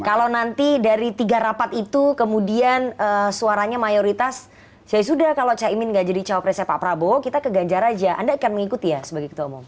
kalau nanti dari tiga rapat itu kemudian suaranya mayoritas ya sudah kalau cahimin nggak jadi cowok presnya pak prabowo kita ke ganjar aja anda akan mengikuti ya